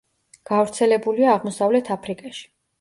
გავრცელებულია აღმოსავლეთ აფრიკაში.